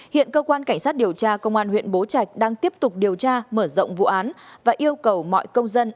hiện cơ quan cảnh sát điều tra công an huyện bố trạch đang tiếp tục điều tra mở rộng vụ án và yêu cầu mọi công dân